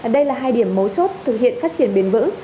đây là hai điểm mấu chốt thực hiện phát triển bền vững